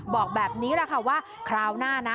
บอกแบบนี้แหละค่ะว่าคราวหน้านะ